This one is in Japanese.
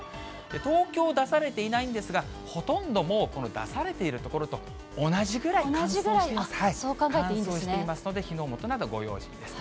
東京、出されていないんですが、ほとんどもうこの出されている所同じくらい、そう考えていい乾燥していますので、火の元ご用心です。